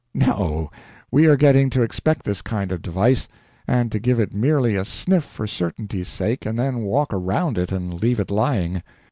No, we are getting to expect this kind of device, and to give it merely a sniff for certainty's sake and then walk around it and leave it lying.